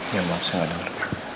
ya maaf saya nggak denger